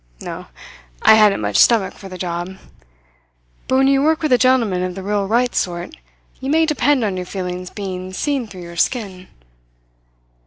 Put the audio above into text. No, I hadn't much stomach for the job; but when you work with a gentleman of the real right sort you may depend on your feelings being seen through your skin.